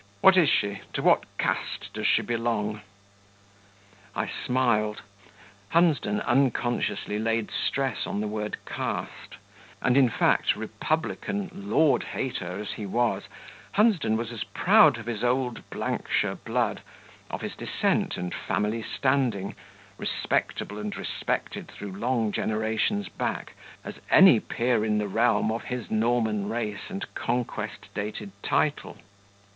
What is she? To what caste does she belong?" I smiled. Hunsden unconsciously laid stress on the word caste, and, in fact, republican, lord hater as he was, Hunsden was as proud of his old shire blood, of his descent and family standing, respectable and respected through long generations back, as any peer in the realm of his Norman race and Conquest dated title.